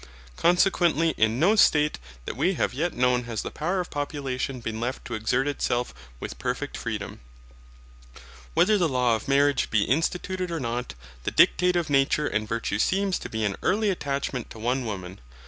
Consequently in no state that we have yet known has the power of population been left to exert itself with perfect freedom. Whether the law of marriage be instituted or not, the dictate of nature and virtue seems to be an early attachment to one woman.